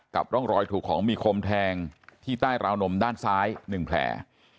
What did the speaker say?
ร่องรอยถูกของมีคมแทงที่ใต้ราวนมด้านซ้าย๑แผล